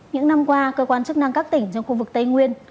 những năm qua cơ quan chức năng các tỉnh trong khu vực tây nguyên